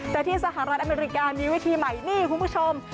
แต่ที่สหรัฐอเมริกามีวิธีใหม่นี่คุณผู้ชม